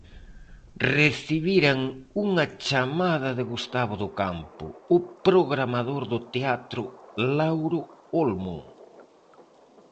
Recibiran unha chamada de Gustavo Docampo, o programador do teatro Lauro Olmo.